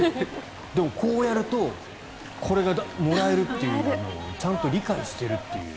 でも、こうやるとこれがもらえるというのをちゃんと理解しているという。